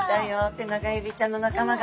テナガエビちゃんの仲間が！